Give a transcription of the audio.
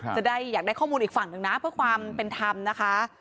จะได้อยากได้ข้อมูลอีกฝั่งหนึ่งนะเพื่อความเป็นธรรมนะคะ